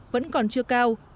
vẫn còn chưa cao